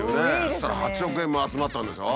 そしたら８億円も集まったんでしょ。